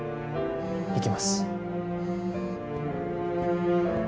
行きます